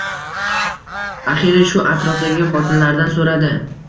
Axiyri shu atrofdagi xotinlardan so‘radi